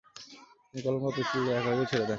তিনি কলম বা পেন্সিল দিয়ে লেখালেখিও ছেড়ে দেন।